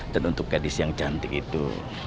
dan untuk gadis yang cantik itu